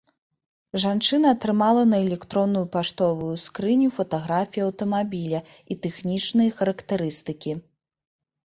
Жанчына атрымала на электронную паштовую скрыню фатаграфіі аўтамабіля і тэхнічныя характарыстыкі.